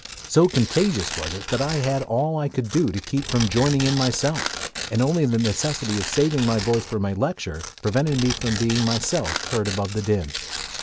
So contagious was it that I had all I could do to keep from joining in myself and only the necessity of saving my voice for my lecture prevented me from being myself heard above the din.